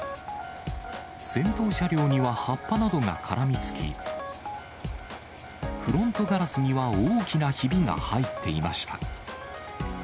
先頭車両には葉っぱなどが絡みつき、フロントガラスには、大きなひびが入っていました。